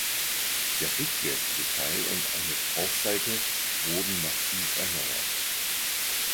Der rückwärtige Teil und eine Traufseite wurden massiv erneuert.